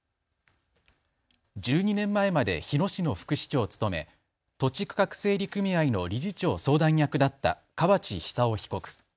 １２年前まで日野市の副市長を務め土地区画整理組合の理事長相談役だった河内久男被告。